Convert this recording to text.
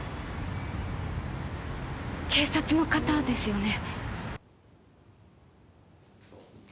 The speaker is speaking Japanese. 警察の方ですよね？